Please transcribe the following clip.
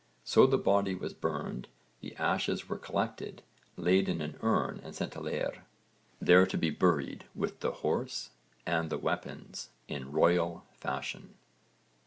So the body was burned, the ashes were collected, laid in an urn and sent to Leire, there to be buried with the horse and the weapons in royal fashion.